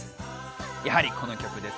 やはりこの曲です。